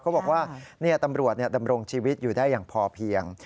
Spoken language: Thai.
เขาบอกว่าตำรวจดำรงชีวิตอยู่ได้อย่างพอเพียง